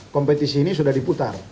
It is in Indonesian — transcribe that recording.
kompetisi ini sudah diputar